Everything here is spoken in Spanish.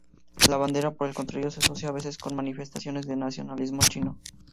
La bandera, por el contrario, se asocia a veces con manifestaciones de nacionalismo chino.